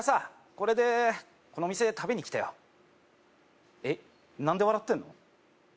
これでこの店食べに来てよえっ何で笑ってんの？